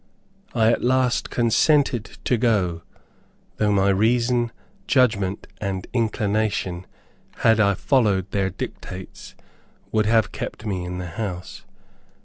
I at last consented to go, though my reason, judgment, and inclination, had I followed their dictates, would have kept me in the house.